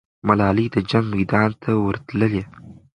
ملالۍ د جنګ میدان ته ورتللې.